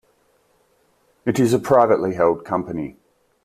It is a privately-held company.